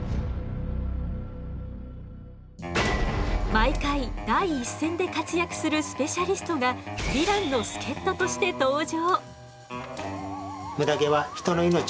毎回第一線で活躍するスペシャリストがヴィランの助っととして登場。